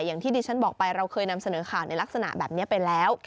อย่างที่ดิฉันบอกไปเราเคยนำเสนอข่าวในลักษณะแบบนี้ไปแล้ว